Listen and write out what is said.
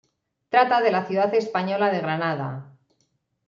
Trata de la ciudad española de Granada.